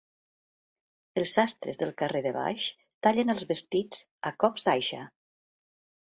Els sastres del carrer de Baix tallen els vestits a cops d'aixa.